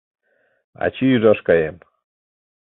— Ачий ӱжаш каем...